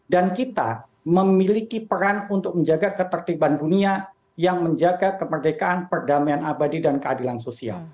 dan kita memiliki peran untuk menjaga ketertiban dunia yang menjaga kemerdekaan perdamaian abadi dan keadilan sosial